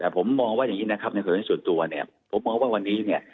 แต่ผมมองว่าอย่างนี้นะครับในส่วนนี้ส่วนตัวเนี่ยผมมองว่าวันนี้เนี่ย